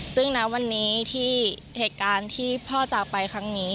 ซึ่งณวันนี้ที่เหตุการณ์ที่พ่อจากไปครั้งนี้